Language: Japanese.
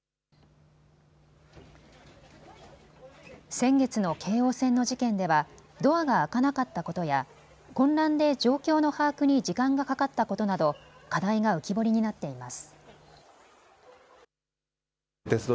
先月の京王線の事件ではドアが開かなかったことや混乱で状況の把握に時間がかかったことなど課題が浮き彫りになっています。